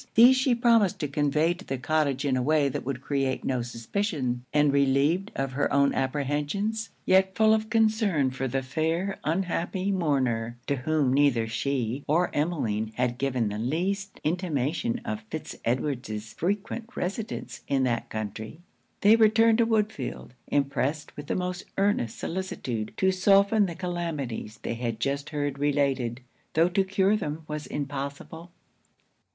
These she promised to convey to the cottage in a way that could create no suspicion. And relieved of her own apprehensions, yet full of concern for the fair unhappy mourner (to whom neither she or Emmeline had given the least intimation of Fitz Edward's frequent residence in that country,) they returned to Woodfield, impressed with the most earnest solicitude to soften the calamities they had just heard related, tho' to cure them was impossible.